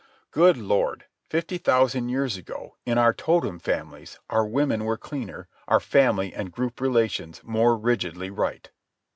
Good Lord, fifty thousand years ago, in our totem families, our women were cleaner, our family and group relations more rigidly right.